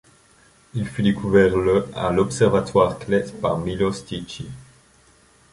Il fut découvert le à l'Observatoire Kleť par Miloš Tichý.